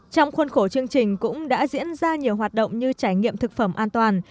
trong khuôn khổ chương trình cũng đã diễn ra nhiều hoạt động như trải nghiệm thực phẩm an toàn